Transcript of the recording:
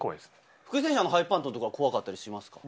福井選手、ハイパント怖かったりしますかね？